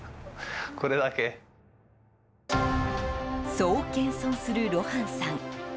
そう謙遜するロハンさん。